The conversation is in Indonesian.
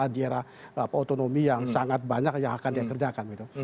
di era autonomi yang sangat banyak yang akan dikerjakan gitu